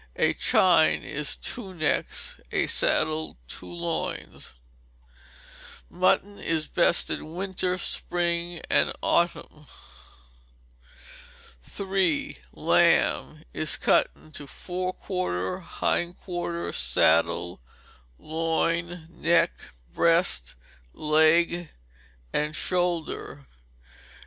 A chine is two necks; a saddle, two loins. Mutton is best in winter, spring, and autumn. iii. Lamb is cut into fore quarter and hind quarter; saddle; loin; neck; breast; leg; and shoulder.